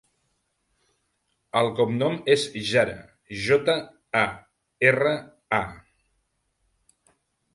El cognom és Jara: jota, a, erra, a.